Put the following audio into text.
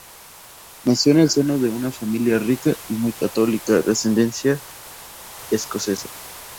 Nació en el seno de una familia rica y muy católica, de ascendencia escocesa.